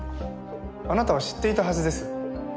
あなたは知っていたはずです。